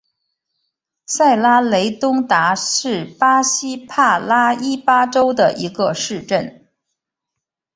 塞拉雷东达是巴西帕拉伊巴州的一个市镇。